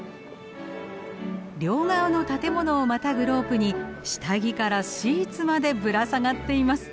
両側の建物をまたぐロープに下着からシーツまでぶら下がっています。